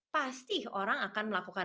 pasti orang akan melakukan